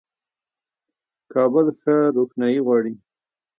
کابل ښه روښنايي غواړي.